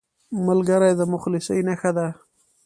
ملګری د مخلصۍ نښه ده